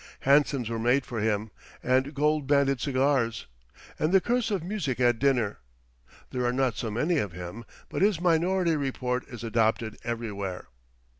Hansoms were made for him, and gold banded cigars; and the curse of music at dinner. There are not so many of him; but his minority report is adopted everywhere.